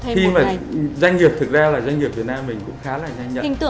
thì mà doanh nghiệp thực ra là doanh nghiệp việt nam mình cũng khá là nhanh nhận